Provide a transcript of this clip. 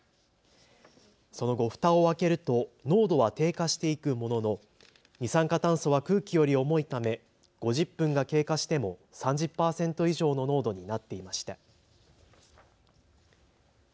その後、ふたを開けると濃度は低下していくものの二酸化炭素は空気より重いため５０分が経過しても３０％以上の濃度になっていました。